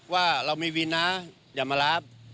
ว่าเรามีวินนะอย่ามารับ